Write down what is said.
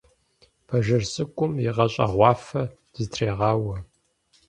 Бажэжь цӀыкӀум игъэщӀэгъуафэ зытрегъауэ.